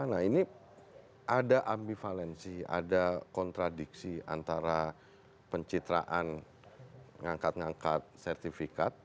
nah ini ada ambivalensi ada kontradiksi antara pencitraan ngangkat ngangkat sertifikat